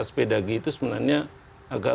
sepedagi itu sebenarnya agak